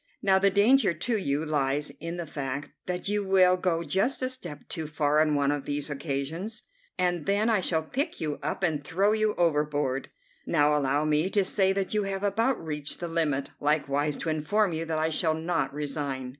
Now the danger to you lies in the fact that you will go just a step too far on one of these occasions, and then I shall pick you up and throw you overboard. Now allow me to say that you have about reached the limit, likewise to inform you that I shall not resign."